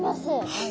はい。